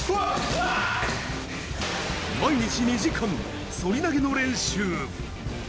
毎日２時間、反り投げの練習。